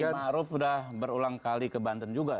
yaimah arief sudah berulang kali ke banten juga